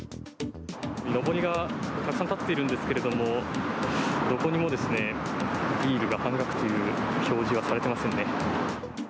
のぼりがたくさん立っているんですけどもどこにもビールが半額という表示はされていませんね。